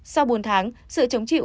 sau bốn tháng sự chống chịu